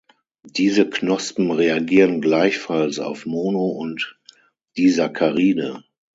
Diese Knospen reagieren gleichfalls auf Mono- und Disaccharide.